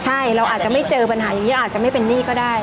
ใช่เราอาจจะไม่เจอปัญหาอย่างนี้เราอาจจะไม่เป็นหนี้ก็ได้